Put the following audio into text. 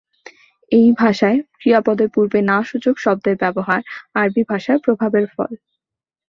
এ ভাষায় ক্রিয়াপদের পূর্বে না-সূচক শব্দের ব্যবহার আরবি ভাষার প্রভাবের ফল।